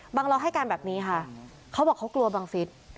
บังเลาให้การแบบนี้ค่ะเขาบอกเขากลัวบังฤษฐ์